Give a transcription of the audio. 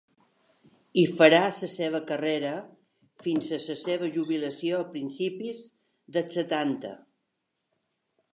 Hi farà la seva carrera fins a la seva jubilació a principis dels setanta.